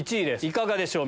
いかがでしょう？